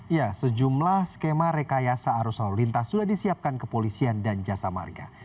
ya sejumlah skema rekayasa arus lalu lintas sudah disiapkan kepolisian dan jasa marga